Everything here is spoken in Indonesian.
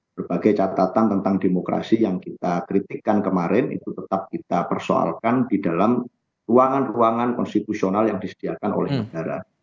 berbagai catatan tentang demokrasi yang kita kritikkan kemarin itu tetap kita persoalkan di dalam ruangan ruangan konstitusional yang disediakan oleh negara